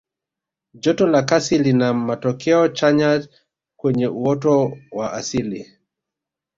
joto la kasi lina matokeo chanya kwenye uoto wa asili